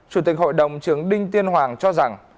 chủ tịch hội đồng trường đinh tiên hoàng cho rằng